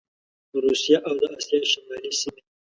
روسیه او د اسیا شمالي سیمي